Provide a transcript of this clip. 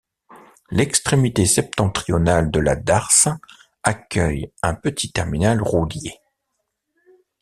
L'extrémité septentrionale de la darse accueille un petit terminal roulier.